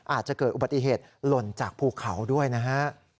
อาจจะเกิดอุบัติเหตุหล่นจากภูเขาด้วยนะฮะ